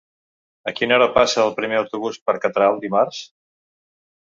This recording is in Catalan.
A quina hora passa el primer autobús per Catral dimarts?